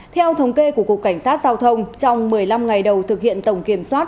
theo thống kê của cục cảnh sát giao thông trong một mươi năm ngày đầu thực hiện tổng kiểm soát